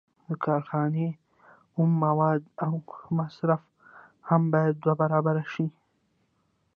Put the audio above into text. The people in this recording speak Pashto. د کارخانې اومه مواد او مصارف هم باید دوه برابره شي